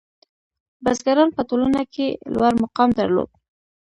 • بزګران په ټولنه کې لوړ مقام درلود.